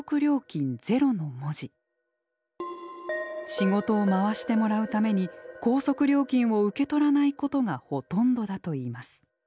仕事を回してもらうために高速料金を受け取らないことがほとんどだといいます。